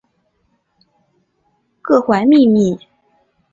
合瓦博拉航空和温比殿华航空都作比为枢纽机场。